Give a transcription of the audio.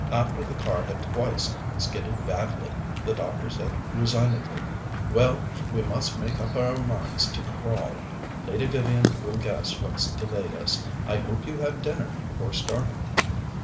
After the car had twice skidded badly, the doctor said resignedly: "Well, we must make up our minds to crawl. Lady Vivian will guess what's delayed us. I hope you had dinner before starting?"